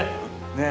ねえ。